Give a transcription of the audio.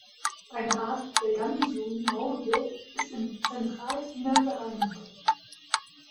Eine Art, der Gansu-Maulwurf, ist in Zentralchina beheimatet.